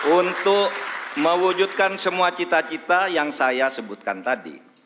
untuk mewujudkan semua cita cita yang saya sebutkan tadi